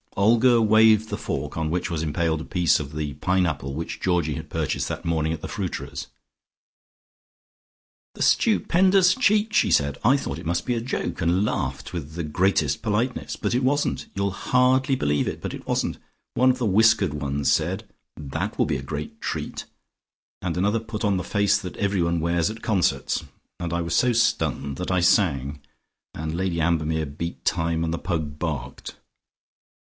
'" Olga waved the fork on which was impaled a piece of the pineapple which Georgie had purchased that morning at the fruiterer's. "The stupendous cheek!" she said. "I thought it must be a joke, and laughed with the greatest politeness. But it wasn't! You'll hardly believe it, but it wasn't! One of the whiskered ones said, That will be a great treat,' and another put on the face that everyone wears at concerts. And I was so stunned that I sang, and Lady Ambermere beat time, and Pug barked."